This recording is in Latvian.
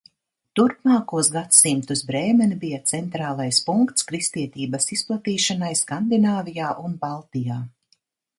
Turpmākos gadsimtus Brēmene bija centrālais punkts kristietības izplatīšanai Skandināvijā un Baltijā.